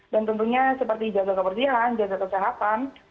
dan tentunya seperti jasa kebersihan jasa kesehatan